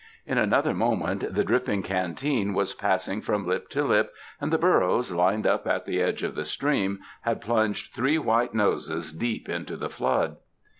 In another moment, the dripping canteen was passing from lip to lip, and the burros, lined uji at the edge of the stream, had plunged three white noses deep in the flood.